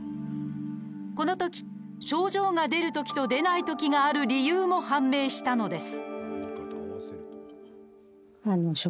このとき、症状が出るときと出ないときがある理由も判明したのです。